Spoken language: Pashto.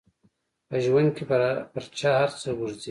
په ژوند کې پر چا هر څه ورځي.